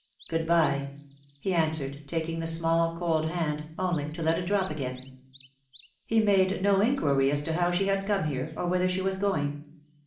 Good bye," he answered, taking the small cold hand, only to let it drop again. He made no inquiry as to how she had come there, or whither she was going.